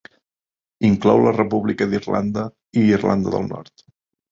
Inclou la República d'Irlanda i Irlanda del Nord.